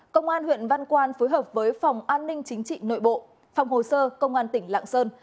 công an huyện văn quan phối hợp với phòng an ninh chính trị nội bộ phòng hồ sơ công an tỉnh lạng sơn